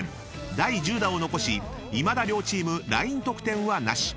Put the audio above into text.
第１０打を残しいまだ両チームライン得点はなし］